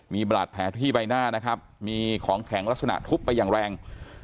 มีบาดแผลที่ใบหน้านะครับมีของแข็งลักษณะทุบไปอย่างแรง